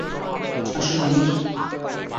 আসো, পানির।